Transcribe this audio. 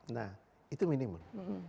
nah itu minimum